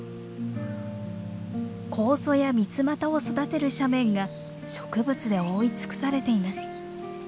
コウゾやミツマタを育てる斜面が植物で覆い尽くされています。